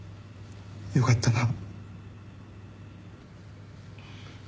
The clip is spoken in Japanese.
よかったな。